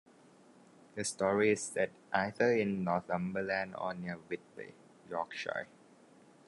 The story is set either in Northumberland or near Whitby, Yorkshire.